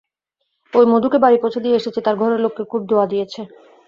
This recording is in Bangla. ওই মধুকে বাড়ি পৌছে দিয়ে এসেছি, তার ঘরেরে লোক খুব দোয়া দিয়েছে।